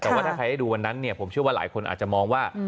แต่ว่าถ้าใครได้ดูวันนั้นเนี่ยผมเชื่อว่าหลายคนอาจจะมองว่า